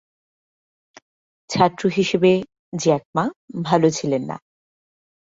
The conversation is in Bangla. ছাত্র হিসেবে জ্যাক মা ভাল ছিলেন না।